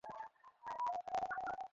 Show হবে আর দুই সপ্তাহের মাঝে।